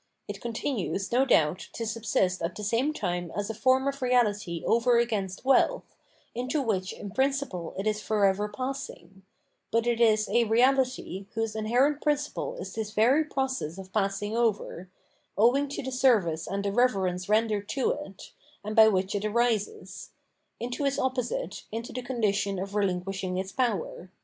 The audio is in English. It continues, no doubt, to subsist at the same time as a form of reahty over against wealth, into which in principle it is forever passing ; but it is a reahty, whose inherent principle is this very process of passing over — owing to the service and the reverence rendered to it, and by which it arises — into its opposite, into the condi tion of rehnquishing its power.